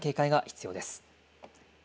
厳重な警戒が必要です。